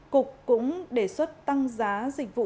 cục cũng đề xuất tăng giá dịch vụ